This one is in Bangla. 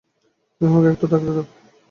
তুমি আমাকে একটু একা থাকতে দাও!